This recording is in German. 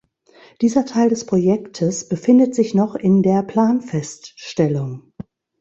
Dieser Teil des Projektes befindet sich noch in der Planfeststellung.